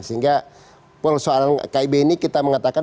sehingga soal kib ini kita mengatakan